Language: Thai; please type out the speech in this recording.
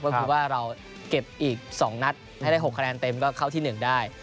ก็คือว่าเราเก็บอีก๒นัดให้ได้๖คะแนนเต็มก็เข้าที่๑ได้